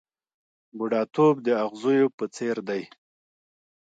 بوډاتوب د اغزیو په څېر دی .